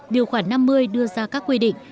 điều khoản năm mươi đưa ra các quy định